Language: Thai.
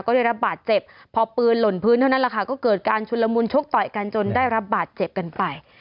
ก็ได้รับบาดเจ็บพอปืนหล่นพื้นเท่านั้นแหละค่ะก็เกิดการชุนละมุนชกต่อยกันจนได้รับบาดเจ็บกันไป